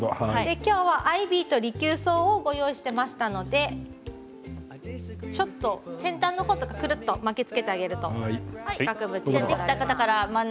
きょうはアイビーとリキュウソウをご用意していましたので先端のほうとか、ぐるっと巻きつけてあげると。